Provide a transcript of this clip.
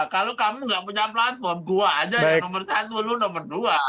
kalau kamu nggak punya platform gua aja yang nomor satu lo nomor dua